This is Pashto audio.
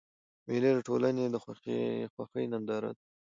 مېلې د ټولني د خوښۍ ننداره ده.